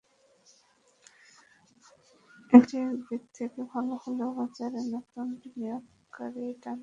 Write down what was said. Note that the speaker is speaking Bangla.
এটি একদিক থেকে ভালো হলেও বাজারে নতুন বিনিয়োগকারী টানতে সহায়ক নয়।